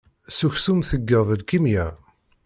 S uksum teggeḍ lkimya.